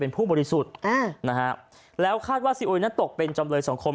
เป็นผู้บริสุทธิ์อ่านะฮะแล้วคาดว่าซีอุยนั้นตกเป็นจำเลยสังคม